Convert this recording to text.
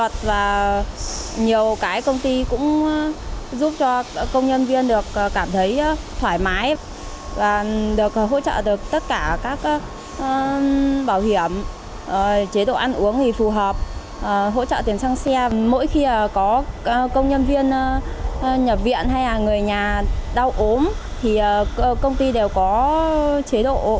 các công nhân viên nhập viện hay là người nhà đau ốm thì công ty đều có chế độ